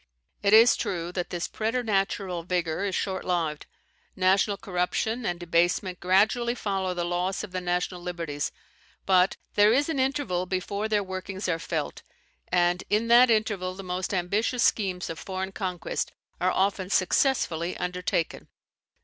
It is true that this preter natural vigour is short lived: national corruption and debasement gradually follow the loss of the national liberties; but there is an interval before their workings are felt, and in that interval the most ambitious schemes of foreign conquest are often successfully undertaken.